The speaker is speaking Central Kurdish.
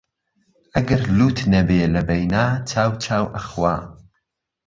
ئەگەر لووت نەبێ لەبەینا، چاو چاو ئەخوا